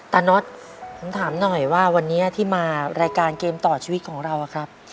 น็อตผมถามหน่อยว่าวันนี้ที่มารายการเกมต่อชีวิตของเราครับ